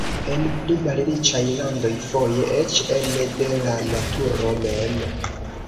En pli malriĉaj landoj foje eĉ ene de la naturo mem.